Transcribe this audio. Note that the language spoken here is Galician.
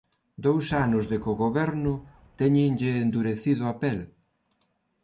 Dous anos de cogoberno téñenlle endurecido a pel.